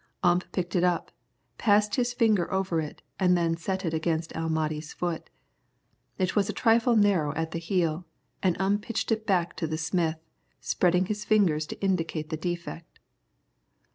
Ump picked it up, passed his finger over it and then set it against El Mahdi's foot. It was a trifle narrow at the heel, and Ump pitched it back to the smith, spreading his fingers to indicate the defect.